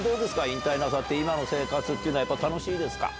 引退なさって、今の生活っていうのはやっぱ楽しいですか？